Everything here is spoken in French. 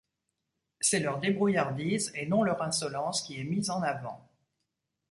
C'est leur débrouillardise et non leur insolence qui est mise en avant.